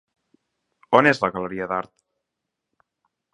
On és la galeria d'art?